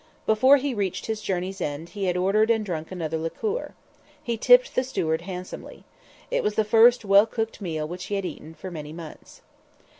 Before he reached his journey's end he had ordered and drunk another liqueur. He tipped the steward handsomely. It was the first well cooked meal which he had eaten for many months.